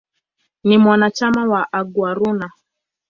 Ni mwanachama wa "Aguaruna".